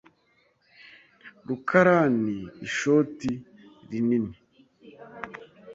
rukarani ishoti rinini.